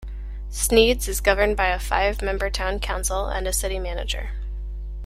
Sneads is governed by a five-member Town Council and a City Manager.